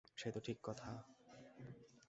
সে তো ঠিক কথা।